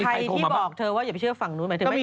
ใครที่บอกเธอว่าอย่าไปเชื่อฝั่งนู้นหมายถึง